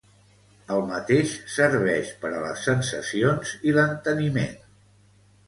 El mateix serveix per a les sensacions i l'enteniment.